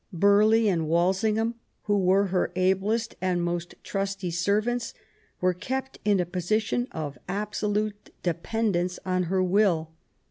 Burgh ley and Walsingham, who were her ablest and most trusty servants, were kept in a position of absolute dependence on her will.